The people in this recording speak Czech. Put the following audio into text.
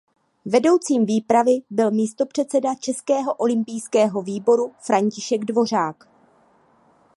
Vedoucím výpravy byl místopředseda Českého olympijského výboru František Dvořák.